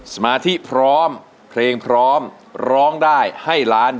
สมาธิพร้อมเพลงพร้อมร้องได้ให้ล้าน